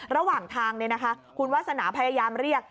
ระหว่างทางเนี่ยนะคะคุณวาสนาพยายามเรียก